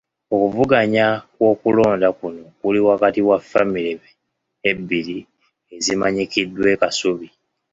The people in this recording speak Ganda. Okuvuganya kw'okulonda kuno kuli wakati wa famire ebbiri ezimanyikiddwa e Kasubi.